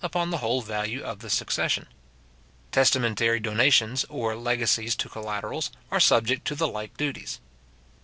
upon the whole value of the succession. Testamentary donations, or legacies to collaterals, are subject to the like duties.